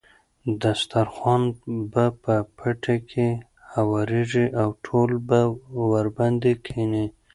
دسترخوان به په پټي کې هوارېږي او ټول به ورباندې کېني.